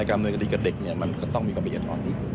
แต่ก็คงต้องมีความจะสึก